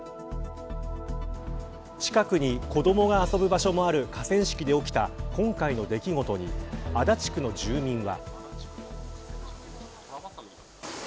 近くに子どもが遊ぶ場所もある河川敷で起きた今回の出来事に足立区の住民は。